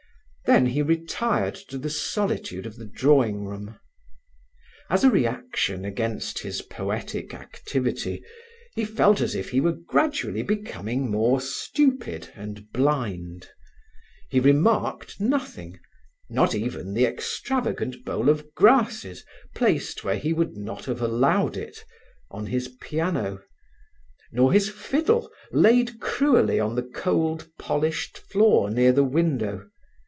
Then he retired to the solitude of the drawing room. As a reaction against his poetic activity, he felt as if he were gradually becoming more stupid and blind. He remarked nothing, not even the extravagant bowl of grasses placed where he would not have allowed it—on his piano; nor his fiddle, laid cruelly on the cold, polished floor near the window.